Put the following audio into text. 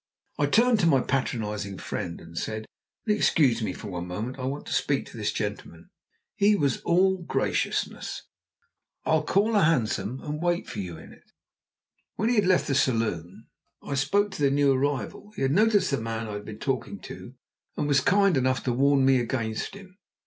I turned to my patronising friend and said, "Will you excuse me for one moment? I want to speak to this gentleman." He was still all graciousness. "I'll call a hansom and wait for you in it." When he had left the saloon I spoke to the new arrival. He had noticed the man I had been talking to, and was kind enough to warn me against him.